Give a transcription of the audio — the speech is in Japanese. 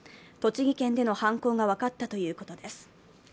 栃木県での犯行が分かったということです。